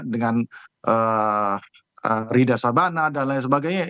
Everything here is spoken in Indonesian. dengan rida sabana dan lain sebagainya